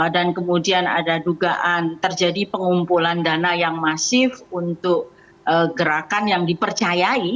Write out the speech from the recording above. dan kemudian ada dugaan terjadi pengumpulan dana yang masif untuk gerakan yang dipercayai